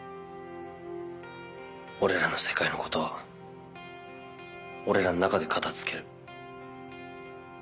俺らの世界のことは俺らの中で片付ける。